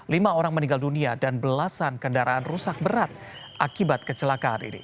lima orang meninggal dunia dan belasan kendaraan rusak berat akibat kecelakaan ini